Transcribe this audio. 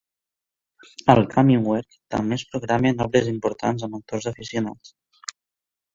Al "Kaminwerk" també es programen obres importants amb actors aficionats.